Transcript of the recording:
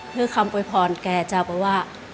เหอคำโปรดภาร์ภ์แก่เจ้าตัวว่า